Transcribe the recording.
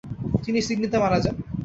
তিনি সিডনিতে মারা যান।